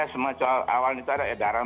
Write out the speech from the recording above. semua awal itu ada yadaran